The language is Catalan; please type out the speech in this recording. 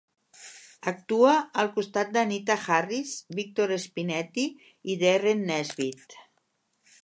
Actua al costat d'Anita Harris, Victor Spinetti i Derren Nesbitt.